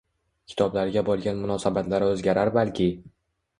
Kitoblarga boʻlgan munosabatlari oʻzgarar balki?